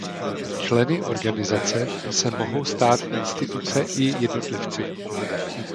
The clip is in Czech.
Členy organizace se mohou stát instituce i jednotlivci.